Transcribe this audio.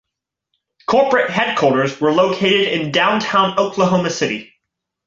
Corporate headquarters were located in Downtown Oklahoma City.